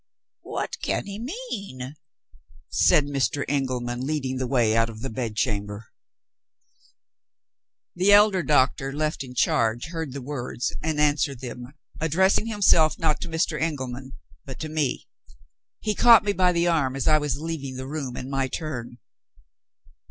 "What can he mean?" said Mr. Engelman, leading the way out of the bedchamber. The elder doctor left in charge heard the words, and answered them, addressing himself, not to Mr. Engelman, but to me. He caught me by the arm, as I was leaving the room in my turn.